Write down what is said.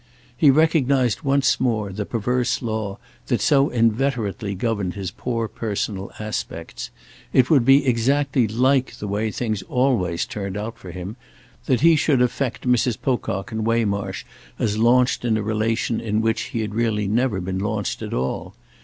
He recognised once more the perverse law that so inveterately governed his poor personal aspects: it would be exactly like the way things always turned out for him that he should affect Mrs. Pocock and Waymarsh as launched in a relation in which he had really never been launched at all.